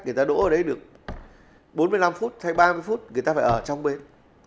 người ta đỗ ở đấy được bốn mươi năm phút hay ba mươi phút người ta phải ở trong bến